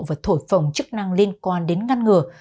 và thổi phòng chức năng liên quan đến ngăn ngừa